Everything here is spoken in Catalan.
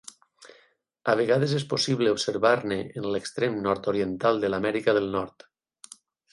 A vegades és possible observar-ne en l'extrem nord-oriental de l'Amèrica del Nord.